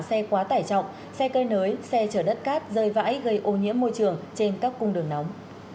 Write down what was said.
xe quá tải trọng xe cơi nới xe chở đất cát rơi vãi gây ô nhiễm môi trường trên các cung đường nóng